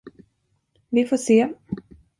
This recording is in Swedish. Vi får se.